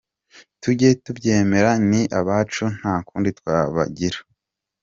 Tujye tubyemera ni abacu ntakundi twabagira